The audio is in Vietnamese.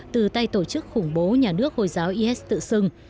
từ tay tổ chức khủng bố nhà nước hồi giáo is tự xưng